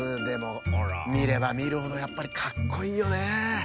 でもみればみるほどやっぱりかっこいいよね。